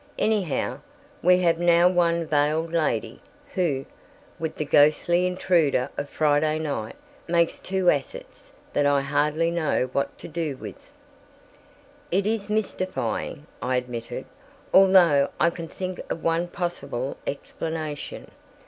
Anyhow, we have now one veiled lady, who, with the ghostly intruder of Friday night, makes two assets that I hardly know what to do with." "It is mystifying," I admitted, "although I can think of one possible explanation.